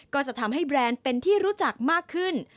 ก็จะทำให้แบรนด์เป็นที่รู้จักมากขึ้น